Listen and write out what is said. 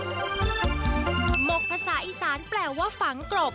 หกภาษาอีสานแปลว่าฝังกรบ